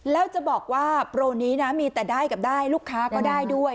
แล้วจะบอกว่าโปรนี้นะมีแต่ได้กับได้ลูกค้าก็ได้ด้วย